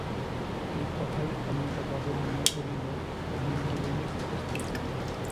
এই কথায় অন্নদাবাবুর মনে পড়িল হেমনলিনী উপস্থিত নাই।